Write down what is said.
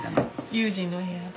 悠仁の部屋。